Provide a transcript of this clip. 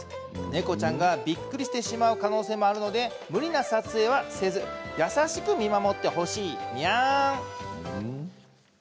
猫ちゃんがびっくりしてしまう可能性もあるので無理な撮影などはせず優しく見守ってほしいにゃん。